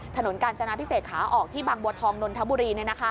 กาญจนาพิเศษขาออกที่บางบัวทองนนทบุรี